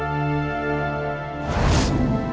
aku mau ke sekolah